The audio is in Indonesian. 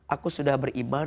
aku sudah beriman